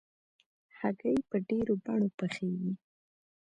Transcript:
هګۍ په ډېرو بڼو پخېږي.